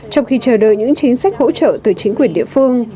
trong khi chờ đợi những chính sách hỗ trợ từ chính quyền địa phương